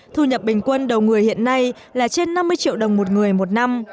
thu nhập bình quân đầu người hiện nay là trên năm mươi triệu đồng một người một năm